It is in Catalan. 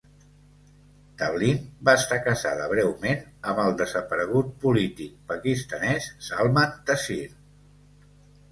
Tavleen va estar casada breument amb el desaparegut polític pakistanès Salman Taseer.